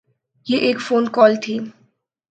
یہ ایک phone call تھی۔